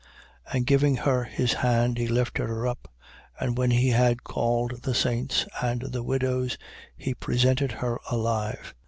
9:41. And giving her his hand, he lifted her up. And when he had called the saints and the widows, he presented her alive.